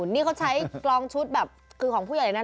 นี่เขาใช้กลองชุดแบบคือของผู้ใหญ่นั้น